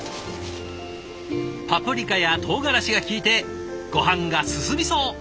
パプリカやとうがらしがきいてごはんが進みそう。